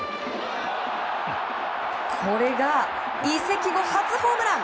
これが、移籍後初ホームラン。